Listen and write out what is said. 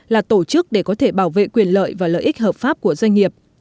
là tổ chức để có thể bảo vệ quyền lợi và lợi ích hợp pháp của doanh nghiệp